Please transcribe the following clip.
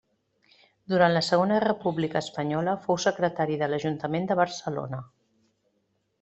Durant la Segona República Espanyola fou secretari de l'ajuntament de Barcelona.